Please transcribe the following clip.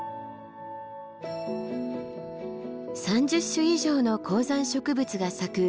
３０種以上の高山植物が咲く